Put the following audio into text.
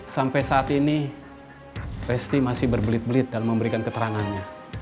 sampai saat ini resti masih berbelit belit dalam memberikan keterangannya